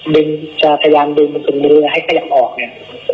ดึงจะพยายามดึงตุงมือให้ขยับออกเนี่ย